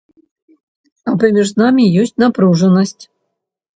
А паміж намі ёсць напружанасць.